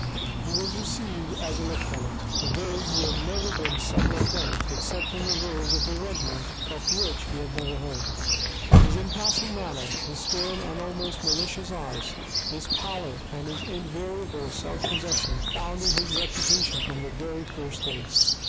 He was received as a lieutenant, though he had never been sub lieutenant except on the rolls of a regiment of which he had never heard. His impassive manner, his stern and almost malicious eyes, his pallor, and his invariable self possession, founded his reputation from the very first day.